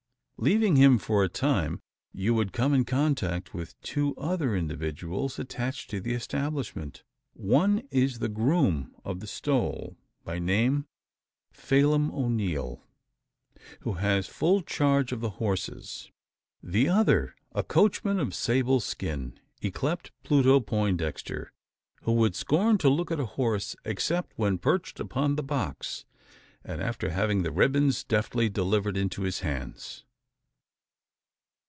Leaving him for a time, you would come in contact with two other individuals attached to the establishment. One is the groom of the "stole," by name Phelim O'Neal who has full charge of the horses. The other a coachman of sable skin, yclept Pluto Poindexter; who would scorn to look at a horse except when perched upon the "box," and after having the "ribbons" deftly delivered into his hands.